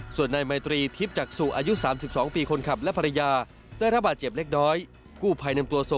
ส่วนนายไมตรีทิพย์จากสู่อายุ๓๒ปีคนขับและภรรยา